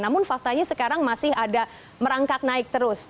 namun faktanya sekarang masih ada merangkak naik terus